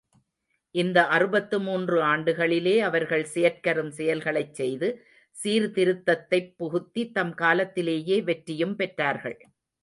இந்த அறுபத்து மூன்று ஆண்டுகளிலே, அவர்கள் செயற்கரும் செயல்களைச் செய்து சீர்திருத்தத்தைப் புகுத்தி, தம் காலத்திலேயே வெற்றியும் பெற்றார்கள்.